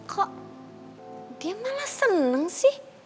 kok dia malah seneng sih